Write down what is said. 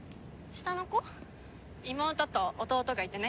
妹と弟がいてね。